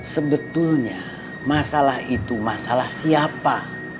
sebetulnya masalah itu masalah siapa